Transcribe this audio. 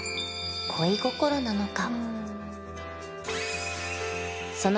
恋心なのか？